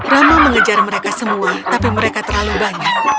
rama mengejar mereka semua tapi mereka terlalu banyak